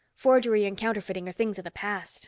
Forgery and counterfeiting are things of the past.